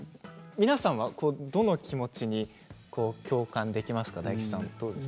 皆さんは、どの気持ちに共感できますか？